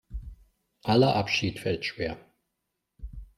Aller Abschied fällt schwer.